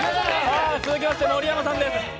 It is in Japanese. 続きまして盛山さんです。